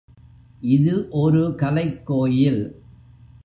இது ஒரு கலைக் கோயில்.